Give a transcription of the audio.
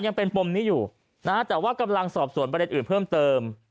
ยังเป็นปมนี้อยู่นะฮะแต่ว่ากำลังสอบส่วนประเด็นอื่นเพิ่มเติม